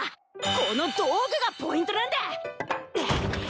この道具がポイントなんだ！